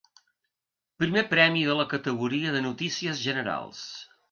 Primer premi de la categoria de notícies generals.